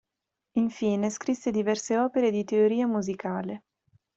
Infine scrisse diverse opere di teoria musicale.